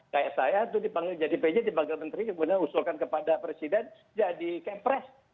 kayak saya itu dipanggil jadi pj dipanggil menteri kemudian usulkan kepada presiden jadi kepres